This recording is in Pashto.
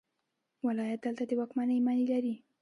ولایت دلته د واکمنۍ معنی لري.